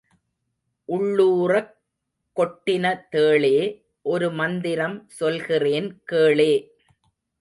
உள்ளூறக் கொட்டின தேளே, ஒரு மந்திரம் சொல்கிறேன் கேளே.